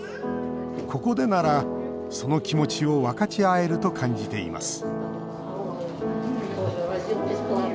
ここでなら、その気持ちを分かち合えると感じています